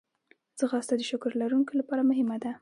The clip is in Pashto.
ځغاسته د شکر لرونکو لپاره مهمه ده